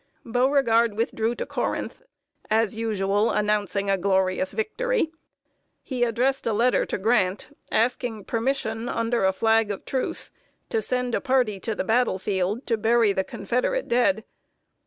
] Beauregard withdrew to Corinth, as usual, announcing a glorious victory. He addressed a letter to Grant, asking permission, under flag of truce, to send a party to the battle field to bury the Confederate dead.